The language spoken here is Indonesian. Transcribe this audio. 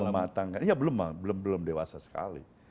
jalan mematangkan ya belum lah belum dewasa sekali